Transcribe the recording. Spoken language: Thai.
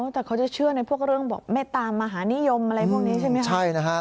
แต่เขาจะเชื่อในพวกเรื่องแบบเมตตามหานิยมอะไรพวกนี้ใช่ไหมครับ